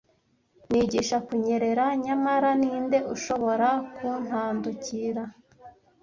Nigisha kunyerera, nyamara ninde ushobora kuntandukira?